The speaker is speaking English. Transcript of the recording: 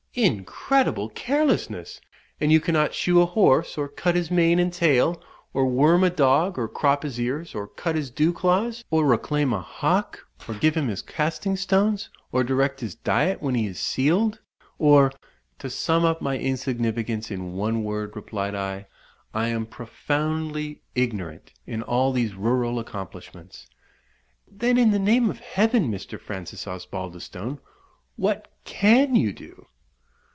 "Incredible carelessness! And you cannot shoe a horse, or cut his mane and tail; or worm a dog, or crop his ears, or cut his dew claws; or reclaim a hawk, or give him his casting stones, or direct his diet when he is sealed; or" "To sum up my insignificance in one word," replied I, "I am profoundly ignorant in all these rural accomplishments." "Then, in the name of Heaven, Mr. Francis Osbaldistone, what can you do?"